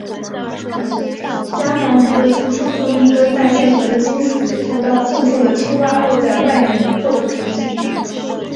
伽伐尼的助手用一根带电荷的金属解剖刀触碰了青蛙露在外面的坐骨神经。